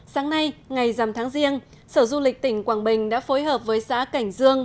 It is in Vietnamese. sáng nay ngày dằm tháng riêng sở du lịch tỉnh quảng bình đã phối hợp với xã cảnh dương